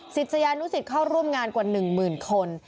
ศิษยานุสิตเข้าร่วมงานกว่า๑หมื่นคน